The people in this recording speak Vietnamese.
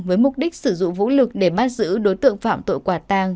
với mục đích sử dụng vũ lực để bắt giữ đối tượng phạm tội quả tàng